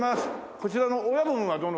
こちらの親分はどの。